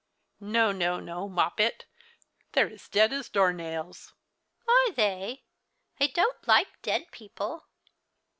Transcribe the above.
" No, no, no. Moppet ; they're as dead as door nails." " Are they ? I don't like dead people."